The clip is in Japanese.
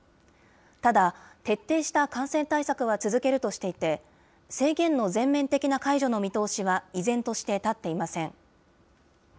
ただ、徹底した感染対策は続けるとしていて、制限の全面的な解除の見通しは、依然として立っていません。